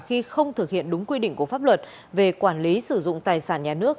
khi không thực hiện đúng quy định của pháp luật về quản lý sử dụng tài sản nhà nước